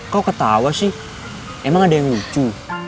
kok ketawa sih emang ada yang lucu